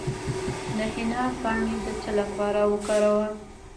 د حنا پاڼې د څه لپاره وکاروم؟